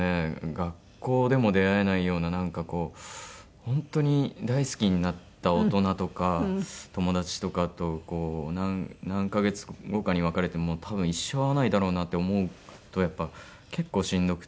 学校でも出会えないような本当に大好きになった大人とか友達とかとこう何カ月後かに別れてもう多分一生会わないだろうなって思うとやっぱ結構しんどくて。